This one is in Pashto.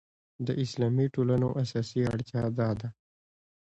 د اسلامي ټولنو اساسي اړتیا دا ده.